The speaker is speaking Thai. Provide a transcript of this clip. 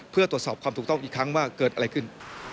เพื่อตรวจสอบความถูกต้องอีกครั้งว่าเกิดอะไรขึ้น